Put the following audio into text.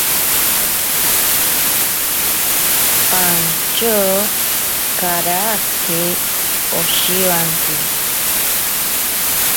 Pantyo karake oshiwanki.